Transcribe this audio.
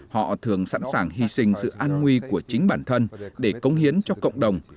họ thường sẵn sàng hy sinh sự an nguy của chính bản thân để công hiến cho cộng đồng